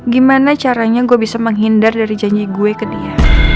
gimana caranya gue bisa menghindar dari janji gue ke dia